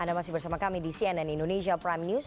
anda masih bersama kami di cnn indonesia prime news